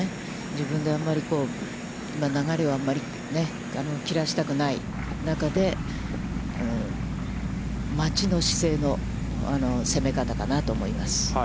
自分であんまりこう、流れをあんまり切らしたくない中で、待ちの姿勢の攻め方かなと思います。